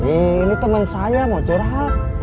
ini teman saya mau curhat